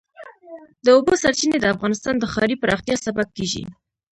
د اوبو سرچینې د افغانستان د ښاري پراختیا سبب کېږي.